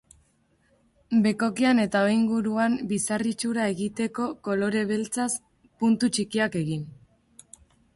Bekokian eta aho inguruan bizar itxura egiteko kolore beltzez puntu txikiak egin.